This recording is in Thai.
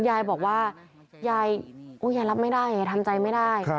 ยายบอกว่ายายยายรับไม่ได้ทำใจไม่ได้